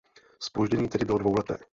Zpoždění tedy bylo dvouleté.